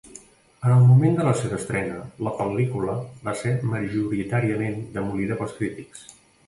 En el moment de la seva estrena, la pel·lícula va ser majoritàriament demolida pels crítics.